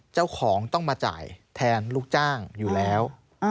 เจ้าของต้องมาจ่ายแทนลูกจ้างอยู่แล้ว